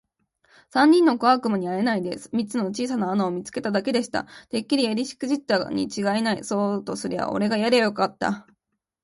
三人の小悪魔にはあえないで、三つの小さな穴を見つけただけでした。「てっきりやりしくじったにちがいない。そうとすりゃおれがやりゃよかった。」